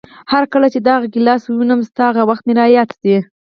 هرکله چې دغه ګیلاس ووینم، ستا هغه وخت مې را یاد شي.